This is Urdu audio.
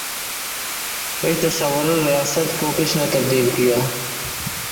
اس تصور ریاست کو کس نے تبدیل کیا؟